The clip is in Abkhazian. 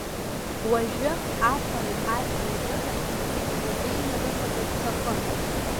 Уажәы, афареи ажәреи рыда, зегьы мазеины ирымазар рҭахын.